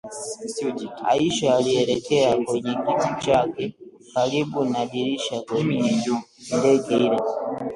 Aisha alielekea kwenye kiti chake karibu na dirisha kwenye ndege ile